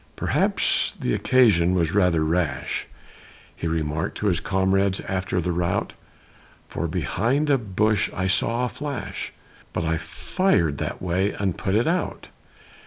"Perhaps the 'occasion' was rather rash," He remarked to his comrades after the rout, "For behind a bush I saw a flash, But I fired that way and put it out."